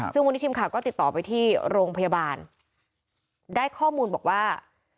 ซึ่งวันนี้ทีมข่าวก็ติดต่อไปที่โรงพยาบาลได้ข้อมูลบอกว่า